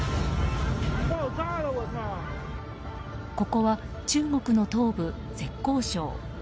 ここは中国の東部・浙江省。